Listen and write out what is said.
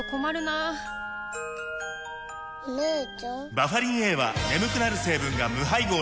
バファリンＡは眠くなる成分が無配合なんです